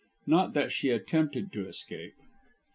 Not that she attempted to escape.